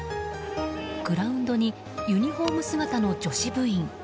グラウンドにユニホーム姿の女子部員。